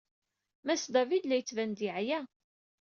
Mass David la yettban-d yeɛya.